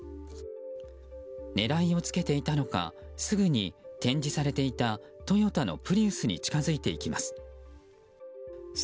狙いをつけていたのかすぐに展示されていたトヨタのプリウスに近づいていきます。